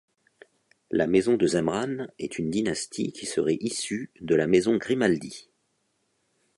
La maison de Zemrane est une dynastie qui serait issue de la maison Grimaldi.